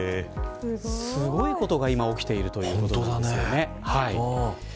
すごいことが今、起きているということです。